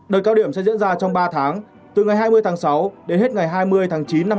đợt cao điểm sẽ diễn ra trong ba tháng từ ngày hai mươi tháng sáu đến hết ngày hai mươi tháng chín năm hai nghìn hai mươi